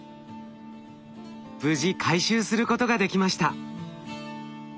無事回収することができました。